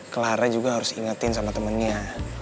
clara juga harus ingetin sama temennya